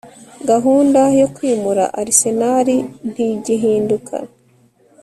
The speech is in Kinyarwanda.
Gahunda yo kwimura Arsenal ntigihinduka